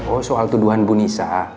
oh soal tuduhan bu nisa